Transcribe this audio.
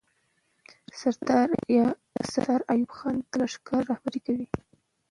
سردار ایوب خان به لښکر رهبري کوي.